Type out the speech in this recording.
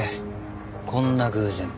こんな偶然が。